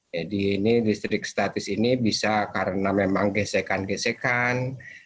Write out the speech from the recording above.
jadi listrik statis ini bisa karena memang gesekan gesekan